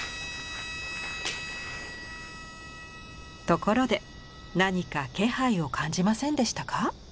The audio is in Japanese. ところで何か気配を感じませんでしたか？